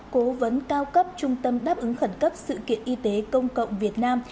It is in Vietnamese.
cố vấn cao cấp trung tâm đáp ứng khẩn cấp sự kiện y tế công cộng việt nam